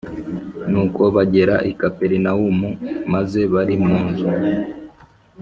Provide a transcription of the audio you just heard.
Nuko bagera i Kaperinawumu maze bari mu nzu